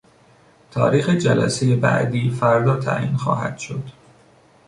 تاریخ جلسهی بعدی فردا تعیین خواهد شد.